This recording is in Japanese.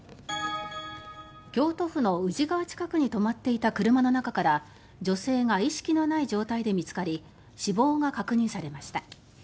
京都府の宇治川近くに停まっていた車の中から女性が意識のない状態で見つかり死亡が確認されました。